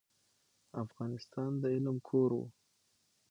افغانستان د علم کور و.